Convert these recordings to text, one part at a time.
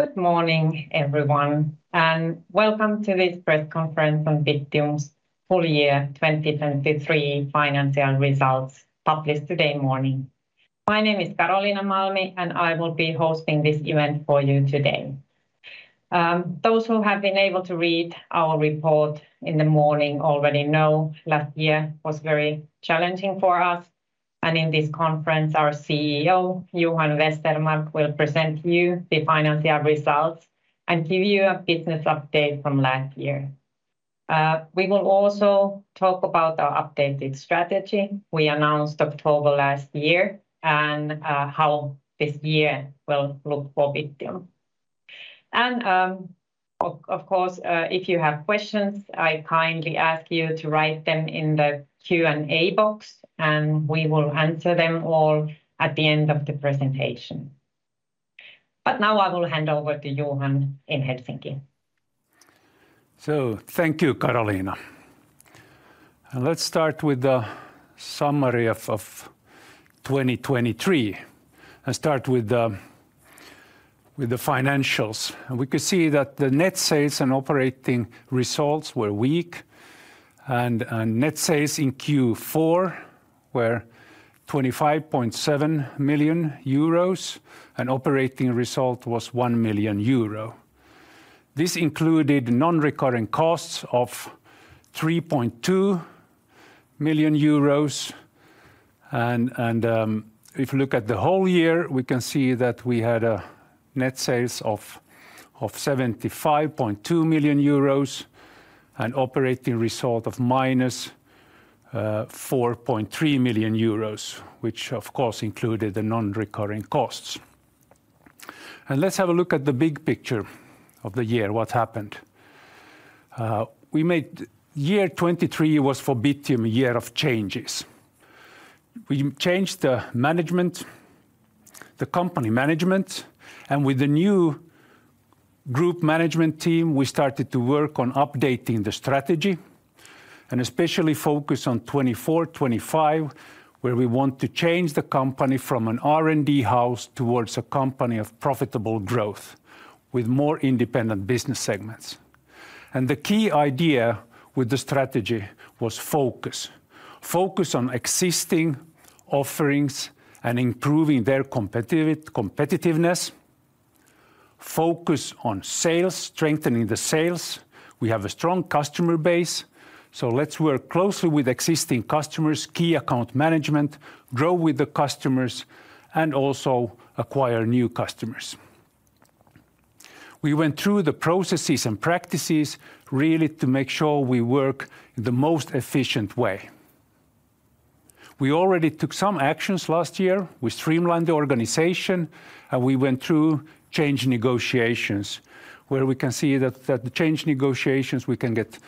Good morning, everyone, and welcome to this press conference on Bittium's full year 2023 financial results published today morning. My name is Karoliina Malmi, and I will be hosting this event for you today. Those who have been able to read our report in the morning already know last year was very challenging for us, and in this conference our CEO Johan Westermarck will present you the financial results and give you a business update from last year. We will also talk about our updated strategy we announced October last year and how this year will look for Bittium. Of course, if you have questions, I kindly ask you to write them in the Q&A box, and we will answer them all at the end of the presentation. Now I will hand over to Johan in Helsinki. So thank you, Karoliina. Let's start with the summary of 2023 and start with the financials. We could see that the net sales and operating results were weak, and net sales in Q4 were 25.7 million euros, and operating result was 1 million euro. This included non-recurring costs of 3.2 million euros, and if you look at the whole year, we can see that we had a net sales of 75.2 million euros and operating result of -4.3 million euros, which of course included the non-recurring costs. Let's have a look at the big picture of the year, what happened. Year 2023 was for Bittium a year of changes. We changed the company management, and with the new group management team, we started to work on updating the strategy and especially focus on 2024-2025, where we want to change the company from an R&D house towards a company of profitable growth with more independent business segments. The key idea with the strategy was focus. Focus on existing offerings and improving their competitiveness. Focus on strengthening the sales. We have a strong customer base, so let's work closely with existing customers, key account management, grow with the customers, and also acquire new customers. We went through the processes and practices really to make sure we work in the most efficient way. We already took some actions last year. We streamlined the organization, and we went through change negotiations, where we can see that the change negotiations we can get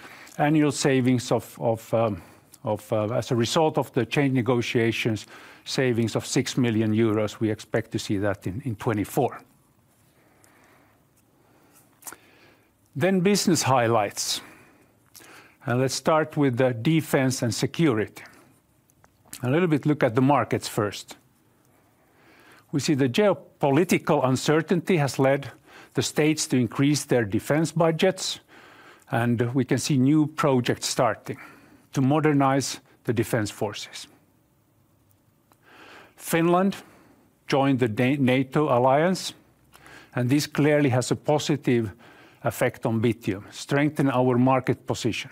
annual savings as a result of the change negotiations savings of 6 million euros. We expect to see that in 2024. Then business highlights. Let's start with defense and security. A little bit look at the markets first. We see the geopolitical uncertainty has led the states to increase their defense budgets, and we can see new projects starting to modernize the defense forces. Finland joined the NATO alliance, and this clearly has a positive effect on Bittium, strengthening our market position.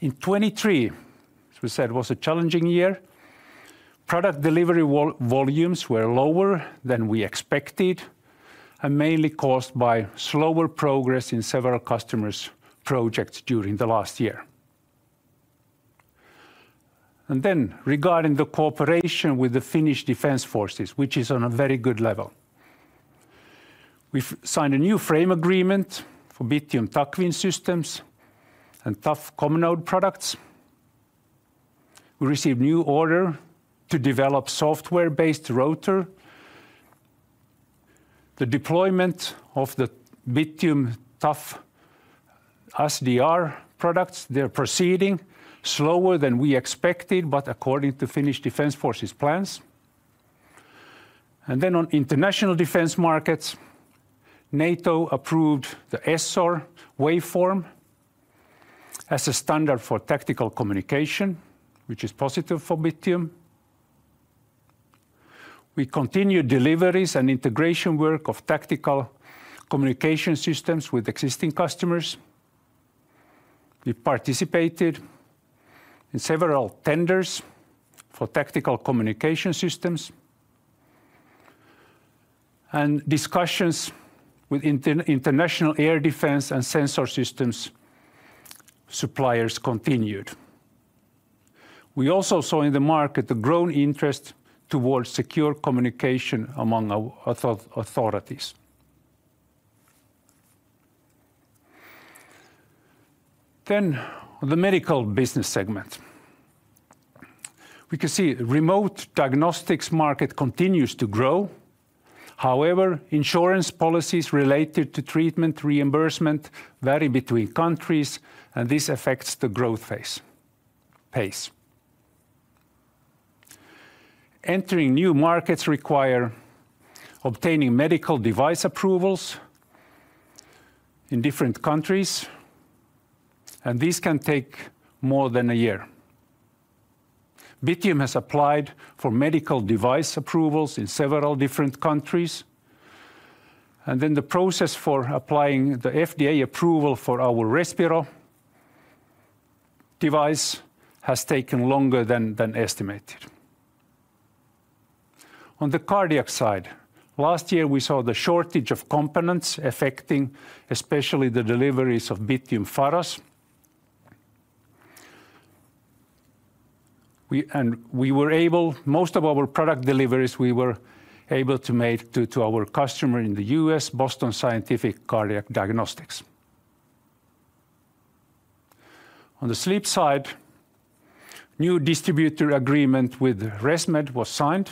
In 2023, as we said, was a challenging year. Product delivery volumes were lower than we expected and mainly caused by slower progress in several customers' projects during the last year. Regarding the cooperation with the Finnish Defence Forces, which is on a very good level. We've signed a new frame agreement for Bittium TAC WIN systems and Tough Comnode products. We received a new order to develop a software-based router. The deployment of the Bittium Tough SDR products, they're proceeding slower than we expected, but according to Finnish Defence Forces' plans. On international defense markets, NATO approved the ESSOR waveform as a standard for tactical communication, which is positive for Bittium. We continued deliveries and integration work of tactical communication systems with existing customers. We participated in several tenders for tactical communication systems, and discussions with international air defense and sensor systems suppliers continued. We also saw in the market a growing interest towards secure communication among authorities. On the medical business segment, we can see remote diagnostics market continues to grow. However, insurance policies related to treatment reimbursement vary between countries, and this affects the growth pace. Entering new markets requires obtaining medical device approvals in different countries, and these can take more than a year. Bittium has applied for medical device approvals in several different countries, and then the process for applying the FDA approval for our Respiro device has taken longer than estimated. On the cardiac side, last year we saw the shortage of components affecting especially the deliveries of Bittium Faros. We were able most of our product deliveries we were able to make to our customer in the US, Boston Scientific Cardiac Diagnostics. On the sleep side, a new distributor agreement with ResMed was signed,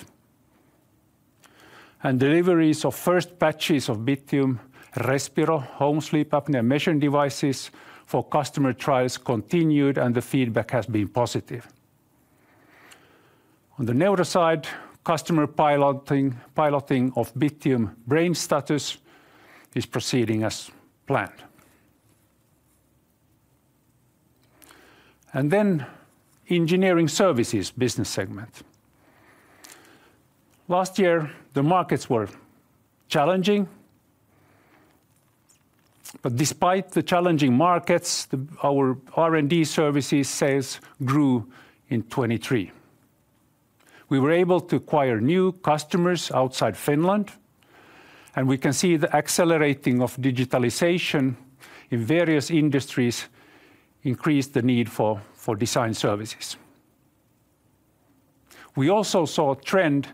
and deliveries of first batches of Bittium Respiro home sleep apnea measuring devices for customer trials continued, and the feedback has been positive. On the neuro side, customer piloting of Bittium BrainStatus is proceeding as planned. Then engineering services business segment. Last year, the markets were challenging, but despite the challenging markets, our R&D services sales grew in 2023. We were able to acquire new customers outside Finland, and we can see the accelerating of digitalization in various industries increase the need for design services. We also saw a trend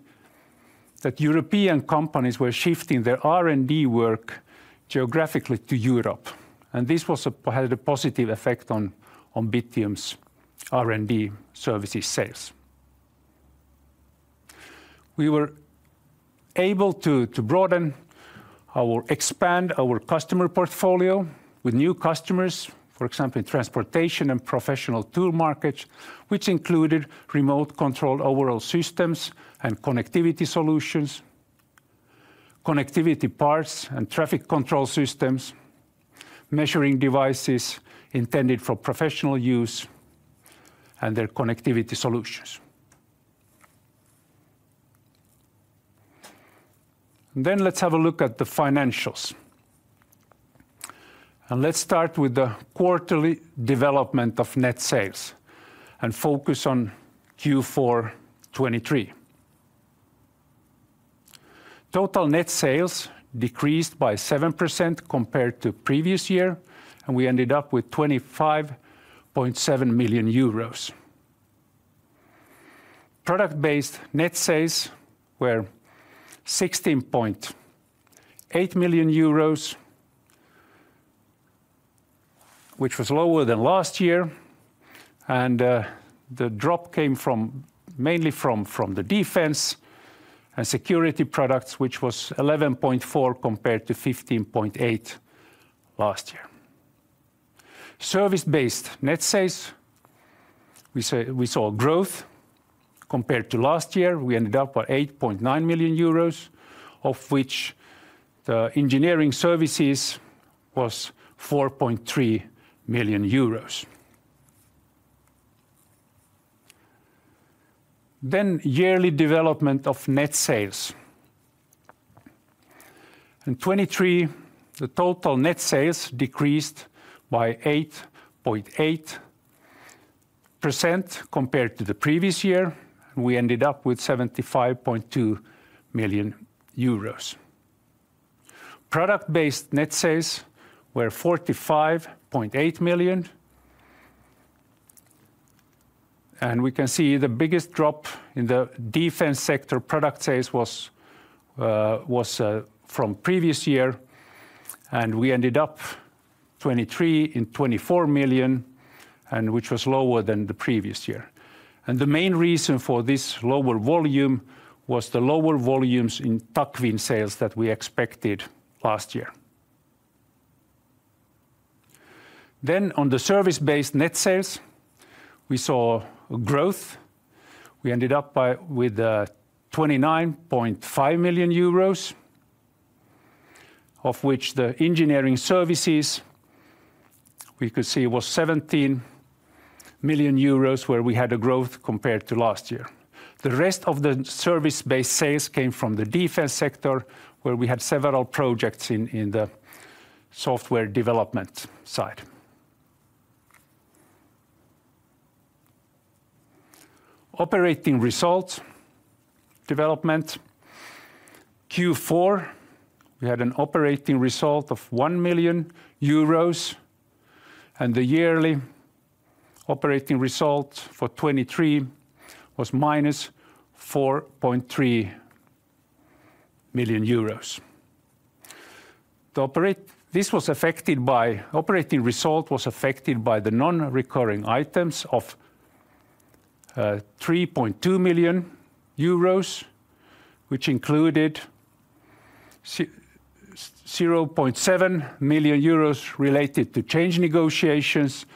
that European companies were shifting their R&D work geographically to Europe, and this had a positive effect on Bittium's R&D services sales. We were able to expand our customer portfolio with new customers, for example, in transportation and professional tool markets, which included remote-controlled off-road systems and connectivity solutions, connectivity parts and traffic control systems, measuring devices intended for professional use, and their connectivity solutions. Then let's have a look at the financials. Let's start with the quarterly development of net sales and focus on Q4-2023. Total net sales decreased by 7% compared to previous year, and we ended up with 25.7 million euros. Product-based net sales were 16.8 million euros, which was lower than last year, and the drop came mainly from the defense and security products, which was 11.4 compared to 15.8 last year. Service-based net sales, we saw growth compared to last year. We ended up with 8.9 million euros, of which the engineering services was EUR 4.3 million. Yearly development of net sales. In 2023, the total net sales decreased by 8.8% compared to the previous year, and we ended up with 75.2 million euros. Product-based net sales were 45.8 million, and we can see the biggest drop in the defense sector product sales was from previous year, and we ended up with 23.4 million, which was lower than the previous year. And the main reason for this lower volume was the lower volumes in TAC WIN sales that we expected last year. Then on the service-based net sales, we saw growth. We ended up with 29.5 million euros, of which the engineering services we could see was 17 million euros, where we had a growth compared to last year. The rest of the service-based sales came from the defense sector, where we had several projects in the software development side. Operating result development. Q4, we had an operating result of 1 million euros, and the yearly operating result for 2023 was -4.3 million euros. This was affected by operating result was affected by the non-recurring items of 3.2 million euros, which included 0.7 million euros related to change negotiations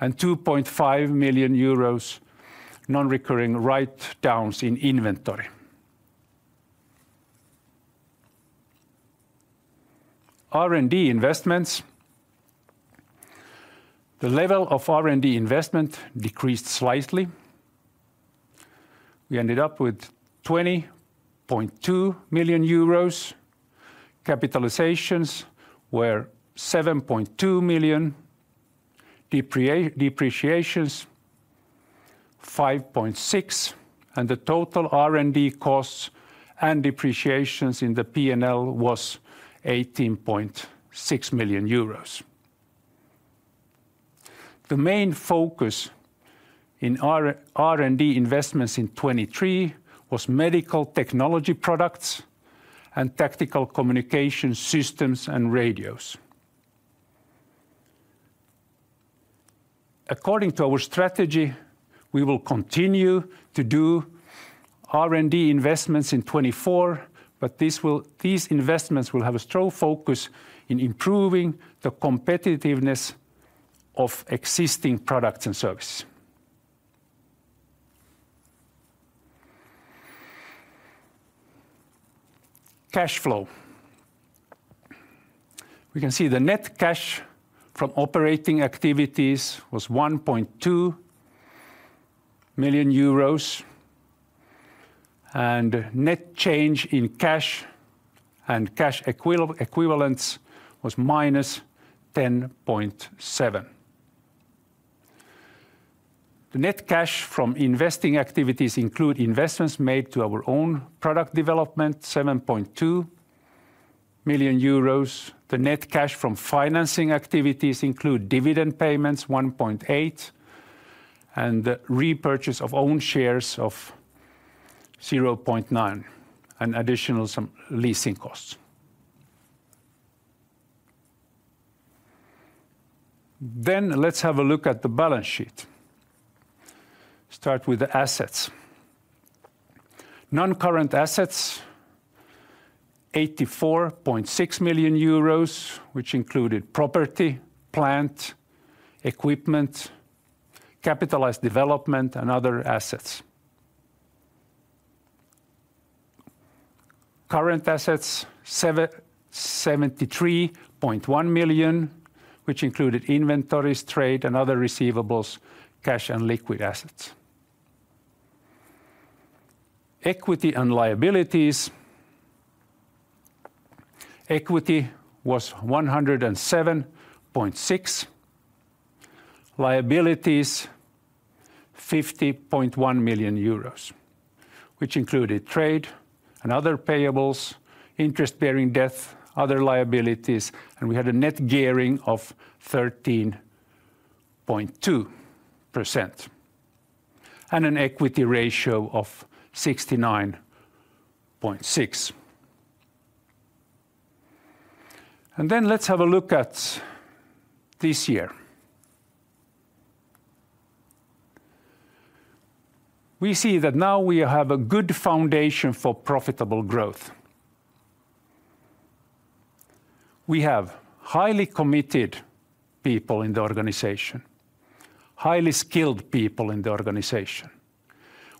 and 2.5 million euros non-recurring write-downs in inventory. R&D investments. The level of R&D investment decreased slightly. We ended up with 20.2 million euros. Capitalizations were 7.2 million. Depreciations 5.6, and the total R&D costs and depreciations in the P&L was 18.6 million euros. The main focus in R&D investments in 2023 was medical technology products and tactical communication systems and radios. According to our strategy, we will continue to do R&D investments in 2024, but these investments will have a strong focus in improving the competitiveness of existing products and services. Cash flow. We can see the net cash from operating activities was 1.2 million euros, and net change in cash and cash equivalents was minus EUR 10.7 million. The net cash from investing activities include investments made to our own product development, 7.2 million euros. The net cash from financing activities include dividend payments, 1.8 million, and the repurchase of own shares of 0.9 million, and additional leasing costs. Then let's have a look at the balance sheet. Start with the assets. Non-current assets, 84.6 million euros, which included property, plant, equipment, capitalized development, and other assets. Current assets, 73.1 million, which included inventories, trade, and other receivables, cash, and liquid assets. Equity and liabilities. Equity was 107.6 million. Liabilities, 50.1 million euros, which included trade and other payables, interest-bearing debt, other liabilities, and we had a net gearing of 13.2% and an equity ratio of 69.6%. And then let's have a look at this year. We see that now we have a good foundation for profitable growth. We have highly committed people in the organization, highly skilled people in the organization.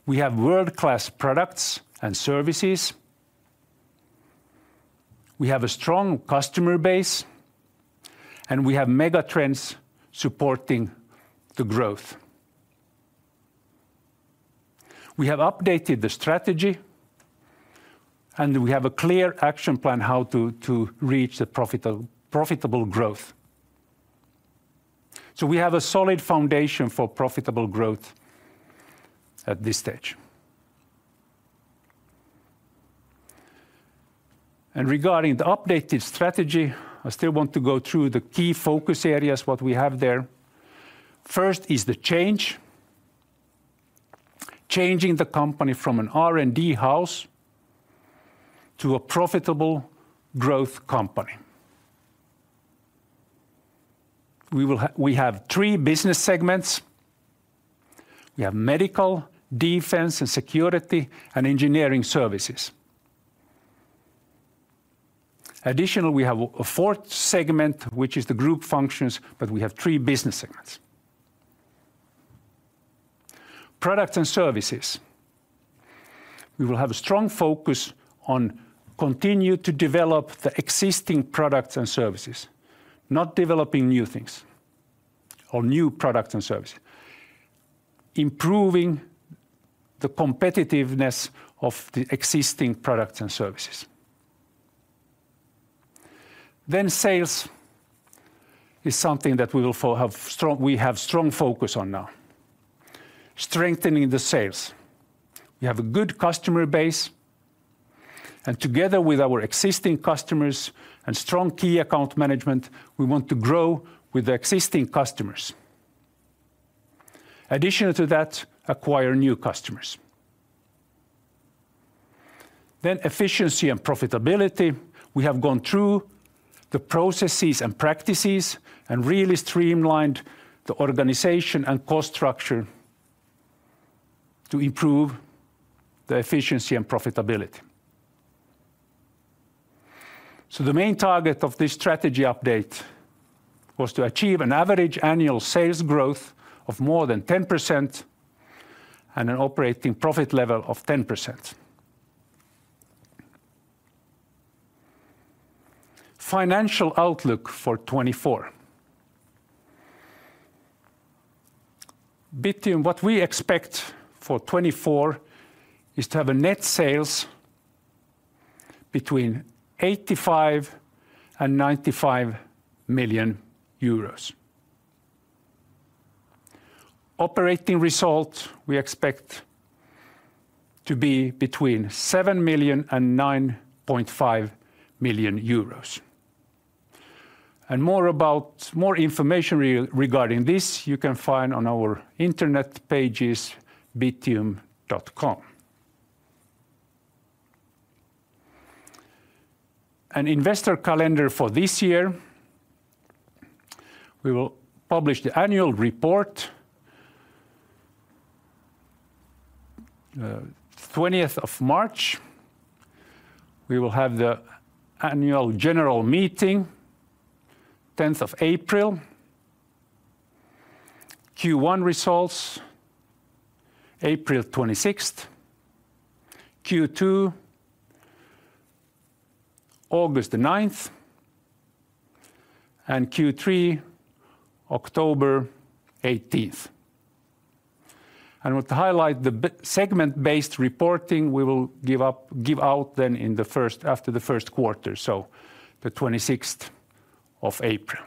We have world-class products and services. We have a strong customer base, and we have megatrends supporting the growth. We have updated the strategy, and we have a clear action plan how to reach the profitable growth. So we have a solid foundation for profitable growth at this stage. Regarding the updated strategy, I still want to go through the key focus areas, what we have there. First is the change. Changing the company from an R&D house to a profitable growth company. We have three business segments. We have medical, defense, security, and engineering services. Additionally, we have a fourth segment, which is the group functions, but we have three business segments. Products and services. We will have a strong focus on continuing to develop the existing products and services, not developing new things or new products and services, improving the competitiveness of the existing products and services. Then sales is something that we have a strong focus on now. Strengthening the sales. We have a good customer base, and together with our existing customers and strong key account management, we want to grow with the existing customers. Additionally to that, acquire new customers. Then efficiency and profitability. We have gone through the processes and practices and really streamlined the organization and cost structure to improve the efficiency and profitability. So the main target of this strategy update was to achieve an average annual sales growth of more than 10% and an operating profit level of 10%. Financial outlook for 2024. Bittium, what we expect for 2024 is to have net sales between 85 million and EUR 95 million. Operating result, we expect to be between 7 million and 9.5 million euros. More about more information regarding this, you can find on our internet pages, bittium.com. An investor calendar for this year. We will publish the annual report the 20th of March. We will have the annual general meeting the 10th of April. Q1 results, April 26th. Q2, August 9th. Q3, October 18th. To highlight the segment-based reporting, we will give out then in the first after the first quarter, so the 26th of April.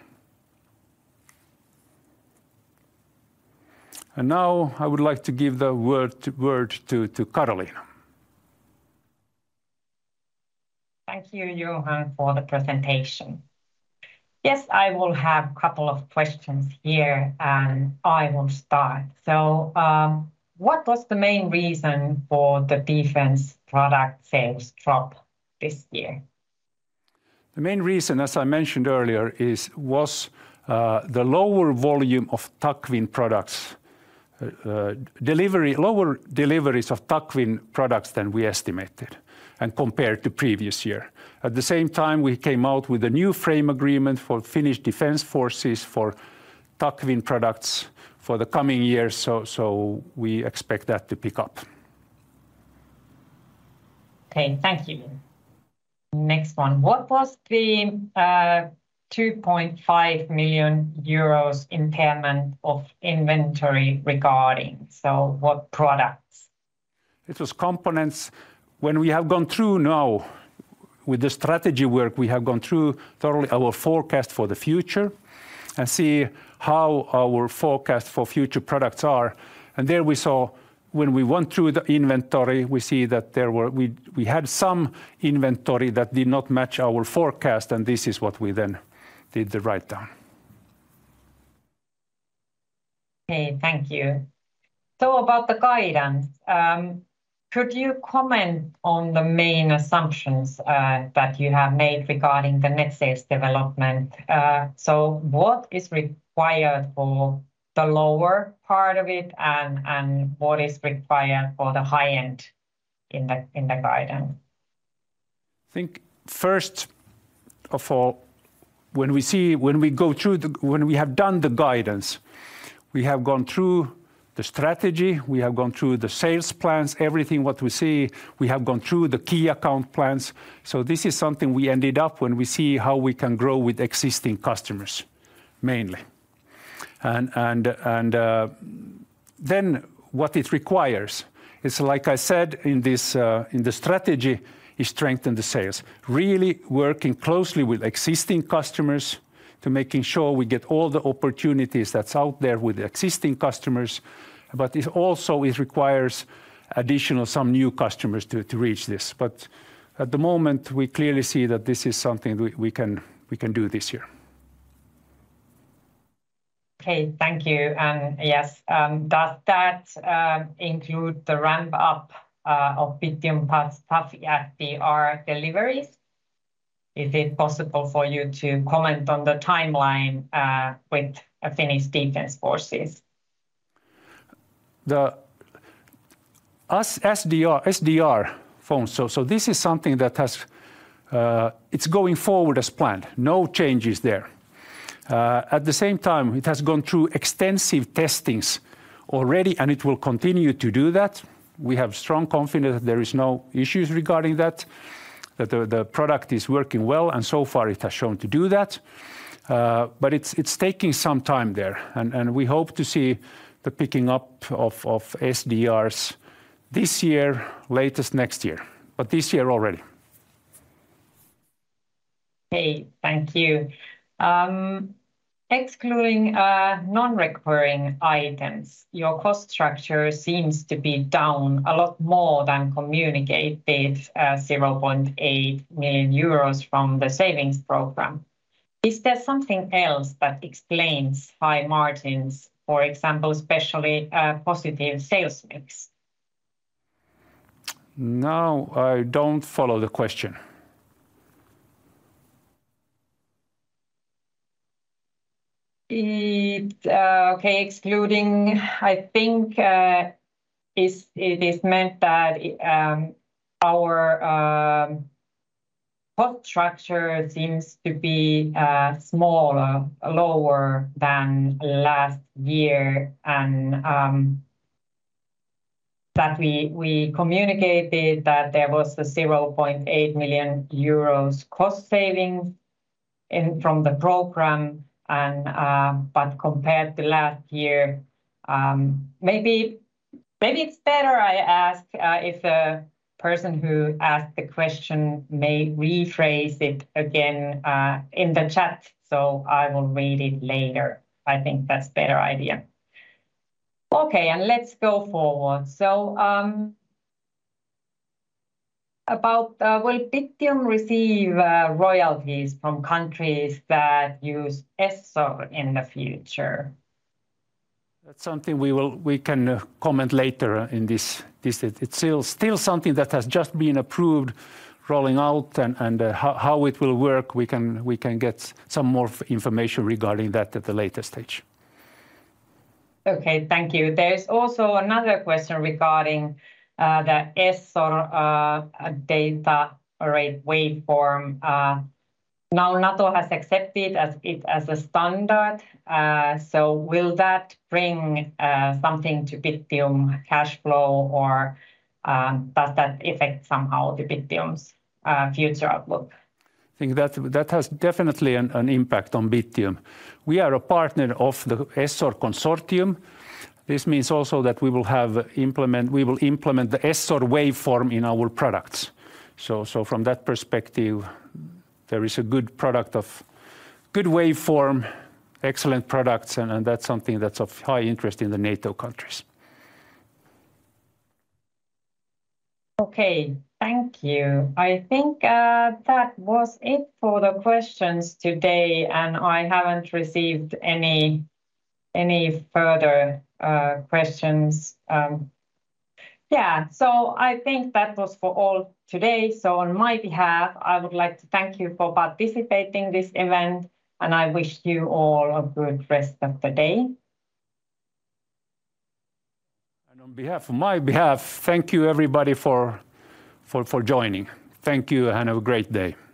Now I would like to give the word to Karoliina. Thank you, Johan, for the presentation. Yes, I will have a couple of questions here, and I will start. So, what was the main reason for the defense product sales drop this year? The main reason, as I mentioned earlier, was the lower volume of TAC WIN products, lower deliveries of TAC WIN products than we estimated and compared to previous year. At the same time, we came out with a new frame agreement for Finnish Defense Forces for TAC WIN products for the coming year, so we expect that to pick up. Okay, thank you. Next one. What was the 2.5 million euros impairment of inventory regarding? So, what products? It was components. When we have gone through now with the strategy work, we have gone through thoroughly our forecast for the future and see how our forecast for future products are. There we saw, when we went through the inventory, that we had some inventory that did not match our forecast, and this is what we then did the write-down. Okay, thank you. So, about the guidance, could you comment on the main assumptions that you have made regarding the net sales development? So, what is required for the lower part of it, and what is required for the high end in the guidance? I think first of all, when we go through when we have done the guidance, we have gone through the strategy, we have gone through the sales plans, everything what we see, we have gone through the key account plans. So, this is something we ended up when we see how we can grow with existing customers, mainly. And then what it requires is, like I said in this in the strategy, is strengthen the sales, really working closely with existing customers to making sure we get all the opportunities that's out there with existing customers. But it also requires additional some new customers to reach this. But at the moment, we clearly see that this is something we can do this year. Okay, thank you. And yes, does that include the ramp-up of Bittium Tough SDR deliveries? Is it possible for you to comment on the timeline with Finnish Defense Forces? The SDR phones, so this is something that has its going forward as planned. No changes there. At the same time, it has gone through extensive testing already, and it will continue to do that. We have strong confidence that there are no issues regarding that, that the product is working well, and so far it has shown to do that. But it's taking some time there, and we hope to see the picking up of SDRs this year, latest next year, but this year already. Okay, thank you. Excluding non-recurring items, your cost structure seems to be down a lot more than communicated, 0.8 million euros from the savings program. Is there something else that explains high margins, for example, especially positive sales mix? No, I don't follow the question. Okay, excluding, I think it is meant that our cost structure seems to be smaller, lower than last year, and that we communicated that there was a 0.8 million euros cost savings from the program, but compared to last year. Maybe it's better I ask if the person who asked the question may rephrase it again in the chat, so I will read it later. I think that's a better idea. Okay, and let's go forward. So, about will Bittium receive royalties from countries that use ESSOR in the future? That's something we can comment later in this. It's still something that has just been approved, rolling out, and how it will work, we can get some more information regarding that at the later stage. Okay, thank you. There's also another question regarding the ESSOR data rate waveform. Now NATO has accepted it as a standard. So will that bring something to Bittium cash flow, or does that affect somehow the Bittium's future outlook? I think that that has definitely an impact on Bittium. We are a partner of the ESSOR consortium. This means also that we will implement the ESSOR waveform in our products. So, from that perspective, there is a good product of good waveform, excellent products, and that's something that's of high interest in the NATO countries. Okay, thank you. I think that was it for the questions today, and I haven't received any further questions. Yeah, so I think that was for all today. So, on my behalf, I would like to thank you for participating in this event, and I wish you all a good rest of the day. And on my behalf, thank you, everybody, for joining. Thank you, and have a great day.